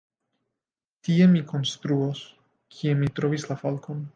Tie mi konstruos, kie mi trovis la falkon.